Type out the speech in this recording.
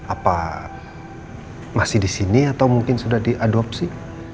apa masih disini atau mungkin sudah diadopsi